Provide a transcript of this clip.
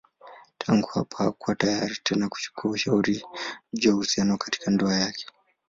Tangu hapa hakuwa tayari tena kuchukua ushauri juu ya uhusiano katika ndoa yake.